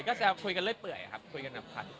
ก็แซวคุยกันเล่ยเปื่อยครับคุยกันหลับถัด